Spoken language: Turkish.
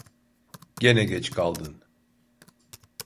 Gene geç kaldın!